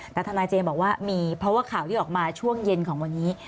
แต่ทนายเจมส์บอกว่ามีเพราะว่าข่าวที่ออกมาช่วงเย็นของวันนี้